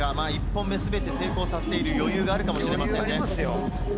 １本目滑って成功させている余裕があるかもしれません。